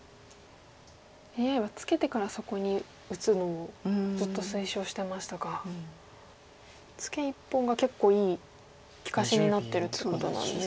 ＡＩはツケてからそこに打つのをずっと推奨してましたがツケ１本が結構いい利かしになってるということなんですね。